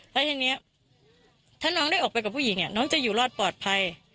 แล้วทีนี้ถ้าน้องได้ออกไปกับผู้หญิงน้องจะอยู่รอดปลอดภัย